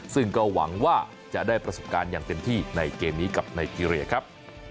ซึ่งก็หวังว่าจะได้ประสบการณ์อย่างเต็มที่ในเกมนี้กับไนเกรียครับ